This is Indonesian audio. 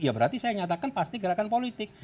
ya berarti saya nyatakan pasti gerakan politik